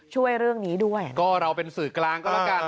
ช่วยเรื่องนี้ด้วยก็เราเป็นสื่อกลางก็แล้วกัน